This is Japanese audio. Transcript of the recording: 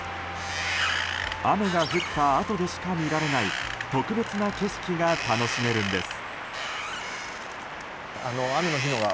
雨が降ったあとでしか見られない特別な景色が楽しめるんです。